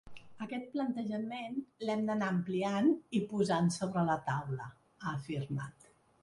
“Aquest plantejament l’hem d’anar ampliant i posant sobre la taula”, ha afirmat.